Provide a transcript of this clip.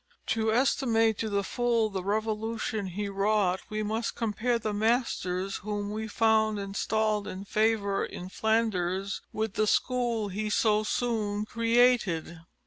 To estimate to the full the revolution he wrought we must compare the masters whom we found installed in favour in Flanders with the school he so soon created.